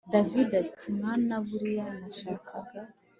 david ati mwana buriya nashakaga